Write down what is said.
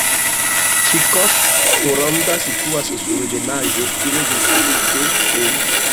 Ĉikoŝ-Horonda situas sur ebenaĵo fine de sakovojo.